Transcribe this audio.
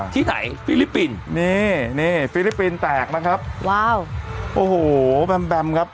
ที่ไหนฟิลิปปินส์นี่นี่ฟิลิปปินส์แตกนะครับว้าวโอ้โหแบมแบมครับ